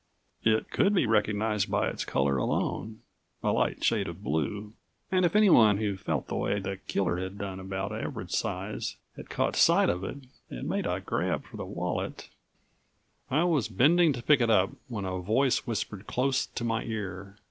It could be recognized by its color alone a light shade of blue and if anyone who felt the way the killer had done about Average Size had caught sight of it and made a grab for the wallet I was bending to pick it up when a voice whispered close to my ear.